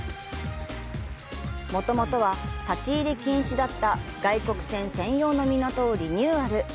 もともとは立ち入り禁止だった外国船専用の港をリニューアル。